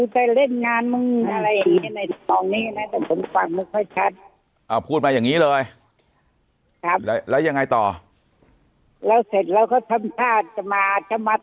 พ่อเขาดิ้นดิ้นดิ้นแล้วก็ตั้งฝ่ายผู้หญิงฝ่ายพวกศาลวัฒน์กันมัน